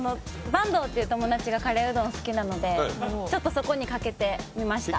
バンドウって友達がカレーうどんが好きなのでちょっとそこにかけてみました。